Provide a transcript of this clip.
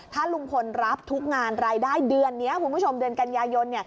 ถ้าลุงพลรับทุกงานรายได้เดือนนี้คุณผู้ชมเดือนกันยายน